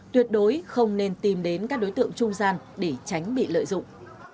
tuyệt đối không nên tìm đến các đối tượng trung gian để tránh bị lợi dụng